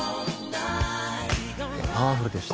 パワフルでした。